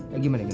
ya gimana udah